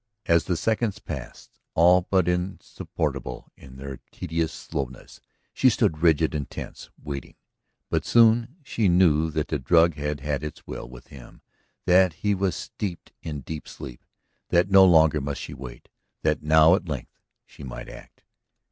As the seconds passed, all but insupportable in their tedious slowness, she stood rigid and tense, waiting. But soon she knew that the drug had had its will with him, that he was steeped in deep sleep, that no longer must she wait, that now at length she might act.